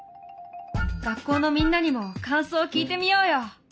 学校のみんなにも感想を聞いてみようよ。